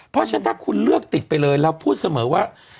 เพราะฉะนั้นถ้าคุณเลือกติดไปเลยเราพูดเสมอว่า